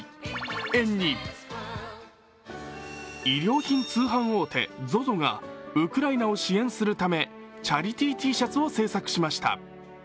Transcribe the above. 衣料品通販大手、ＺＯＺＯがウクライナを支援するためチャリティーＴシャツを製作しました。